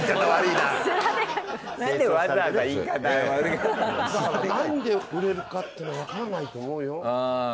だからなんで売れるかってのわからないと思うよ。